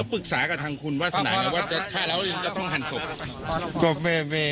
ปรึกษากับทางคุณวาสนาไงว่าจะฆ่าแล้วจะต้องหันศพ